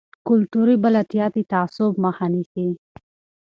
کلتوري بلدتیا د تعصب مخه نیسي.